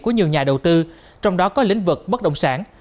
của nhiều nhà đầu tư trong đó có lĩnh vực bất động sản